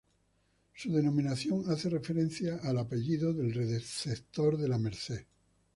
Su denominación hace referencia al apellido del receptor de la merced.